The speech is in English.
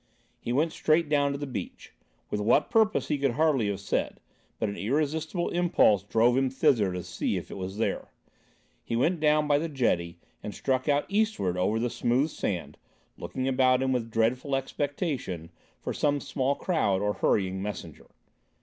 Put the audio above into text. He went straight down to the beach; with what purpose he could hardly have said, but an irresistible impulse drove him thither to see if it was there. He went down by the jetty and struck out eastward over the smooth sand, looking about him with dreadful expectation for some small crowd or hurrying messenger.